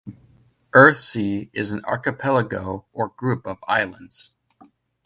Earthsea is an archipelago or group of islands.